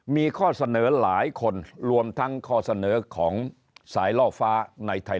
มีข้อเสนอหลายคนรวมทั้งข้อเสนอของสายล่อฟ้าในไทย